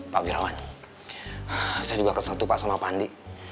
pak wirawan saya juga kesal tuh pak sama pandi